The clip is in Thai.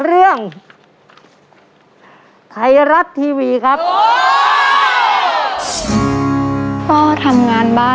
รับทุนไปต่อชีวิตสุดหนึ่งล้อนบอส